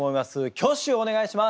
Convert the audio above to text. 挙手をお願いします。